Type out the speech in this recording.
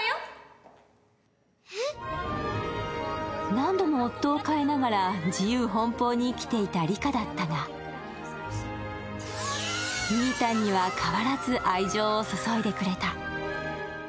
何度も夫を替えながら自由奔放に生きていた梨花だったがみぃたんには変わらず愛情を注いでくれた。